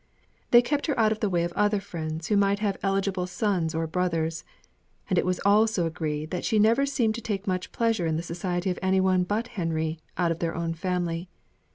They kept her out of the way of other friends who might have been eligible sons or brothers; and it was also agreed that she never seemed to take much pleasure in the society of any one but Henry, out of their own family.